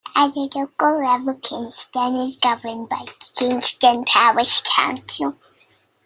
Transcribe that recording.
At a local level Kingston is governed by Kingston Parish Council.